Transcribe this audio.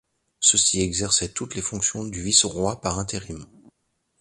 Ceux-ci exerçaient toutes les fonctions du vice-roi par intérim.